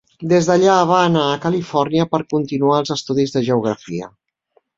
Des d'allà va anar a Califòrnia per continuar els estudis de geografia.